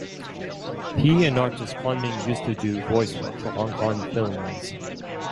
He and artist Quang Minh used to do voice work for Hong Kong films.